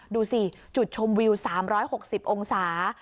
ดูสิจุดชมวิว๓๖๐องศา